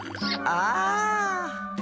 ああ。